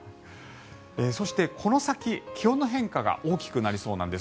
そして、この先、気温の変化が大きくなりそうなんです。